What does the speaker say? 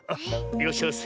いらっしゃいませ。